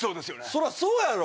そりゃそうやろ！